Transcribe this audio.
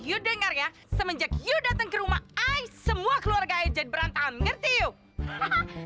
you dengar ya semenjak you datang ke rumah i semua keluarga aja berantakan ngerti yuk